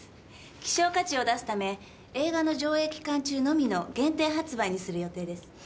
希少価値を出すため映画の上映期間中のみの限定発売にする予定です。